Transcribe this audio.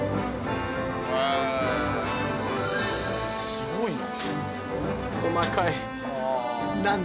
すごいな。